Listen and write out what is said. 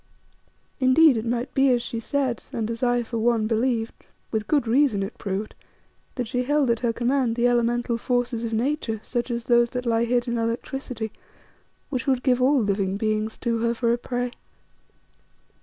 Indeed, it might be as she said, and as I for one believed, with good reason, it proved, that she held at her command the elemental forces of Nature, such as those that lie hid in electricity, which would give all living beings to her for a prey.